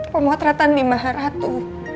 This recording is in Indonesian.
pemotretan di maharatu